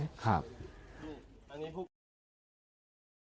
ครับ